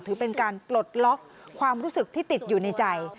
ถือเป็นการปลดล็อกความรู้สึกที่ติดอยู่ในใจ